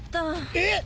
えっ！